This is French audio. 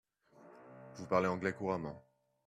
Vous parlez anglais couramment.